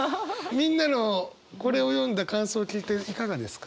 みんなのこれを読んだ感想を聞いていかがですか？